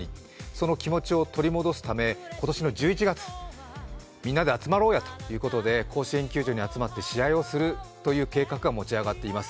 その気持ちを取り戻すため、今年の１１月、みんなで集まろうやということで、甲子園球場に集まって試合をするという計画が持ち上がっています。